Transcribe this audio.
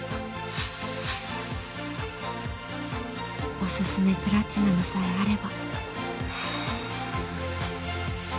［おすすめプラチナムさえあれば］